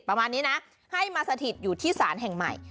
ประมาณนี้นะให้มาสถิตอยู่ที่ศาลแห่งใหม่